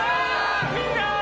みんな！